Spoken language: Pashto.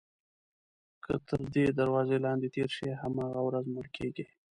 که تر دې دروازې لاندې تېر شي هماغه ورځ مړ کېږي.